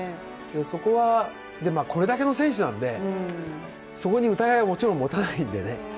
そこは、これだけの選手なのでそこに疑いをもちろん持たないんでね。